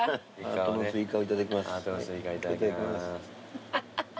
ハートのスイカいただきます。